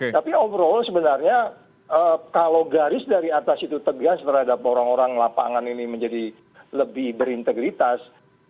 tapi overall sebenarnya kalau garis dari atas itu tegas terhadap orang orang lapangan ini menjadi lebih berintegritas